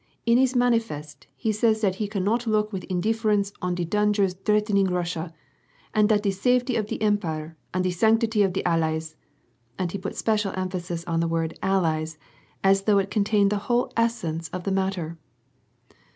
In his mahnifest, he says dat he cahn not looke with indeeference on de danjers treetening Russia, and dat de safety of de empire and de sanctity of de allies "— and he put a special emphasis on the word cdliesy as though it contained the whole essence of the matter.